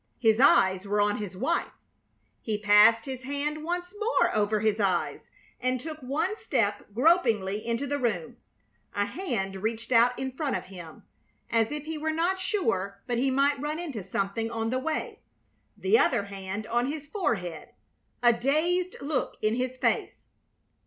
His eyes were on his wife. He passed his hand once more over his eyes and took one step gropingly into the room, a hand reached out in front of him, as if he were not sure but he might run into something on the way, the other hand on his forehead, a dazed look in his face.